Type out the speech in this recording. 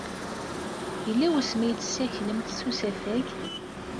Yella wasmi ay tessaklemt s usafag?